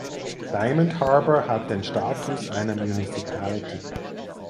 Diamond Harbour hat den Status einer Municipality.